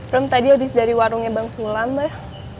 rom tadi habis dari warungnya bang sulan mbak